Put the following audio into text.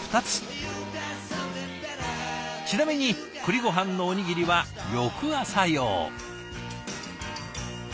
ちなみに栗ごはんのおにぎりは翌朝用。